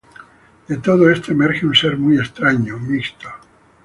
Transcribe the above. De todo esto emerge un ser muy extraño, mixto.